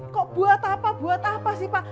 kok buat apa buat apa sih pak